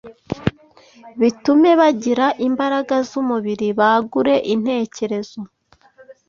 bitume bagira imbaraga z’umubiri bagure intekerezo